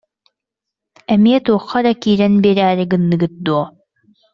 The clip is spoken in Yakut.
Эмиэ туохха эрэ киирэн биэрээри гынныгыт дуо